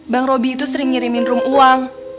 bang robi itu sering ngirimin rum uang